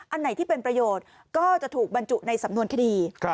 อันไหนที่เป็นประโยชน์ก็จะถูกบรรจุในสำนวนคดี